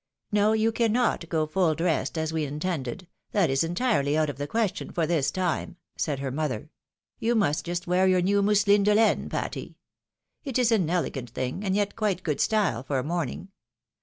No, you cannot go fuU dressed, as we intended, that is entirely out of the question, for this time," said her mother ;" you must just wear your new mousseline de laine, Patty. It is an elegant thing, and yet quite good style for a morning.